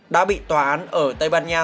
đã bị tòa án ở tây ban nha